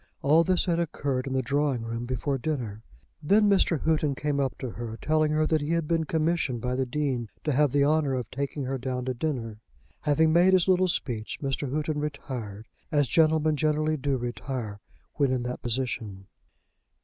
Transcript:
All this had occurred in the drawing room before dinner. Then Mr. Houghton came up to her, telling that he had been commissioned by the Dean to have the honour of taking her down to dinner. Having made his little speech, Mr. Houghton retired, as gentlemen generally do retire when in that position.